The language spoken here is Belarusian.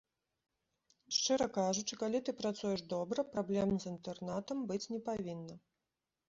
Шчыра кажучы, калі ты працуеш добра, праблем з інтэрнатам быць не павінна.